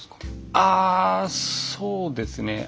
あそうですね